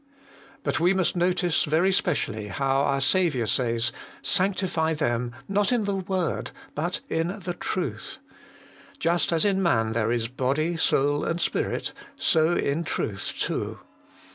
But we must notice very specially how our Saviour says, Sanctify them, not in the word, but in the truth. Just as in man there is body, soul, and spirit, so in truth too.